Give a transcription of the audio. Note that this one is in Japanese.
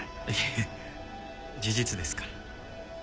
いえ事実ですから。